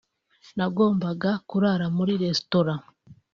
nagombaga kurara muri restaurant